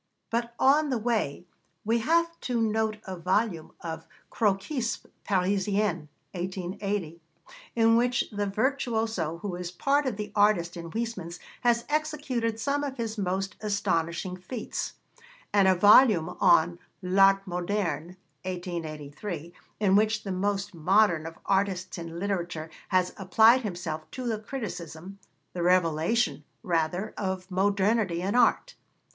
But on the way we have to note a volume of Croquis Parisiens (1880), in which the virtuoso who is a part of the artist in Huysmans has executed some of his most astonishing feats; and a volume on L'Art Moderne (1883), in which the most modern of artists in literature has applied himself to the criticism the revelation, rather of modernity in art.